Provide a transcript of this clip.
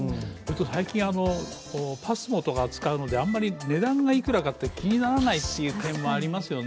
最近、ＰＡＳＭＯとか使うので、あんまり値段がいくらか気にならない点がありますよね。